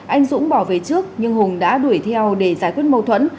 anh dũng bỏ về trước nhưng hùng đã đuổi theo để giải quyết mâu thuẫn